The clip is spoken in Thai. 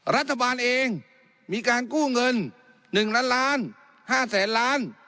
รัฐบาลเองมีการกู้เงิน๑ล้านล้าน๕แสนล้าน